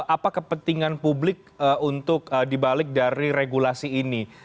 apa kepentingan publik untuk dibalik dari regulasi ini